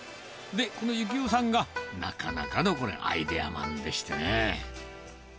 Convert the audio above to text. で、この幸夫さんが、なかなかのこれ、アイデアマンでしてね。